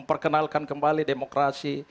memperkenalkan kembali demokrasi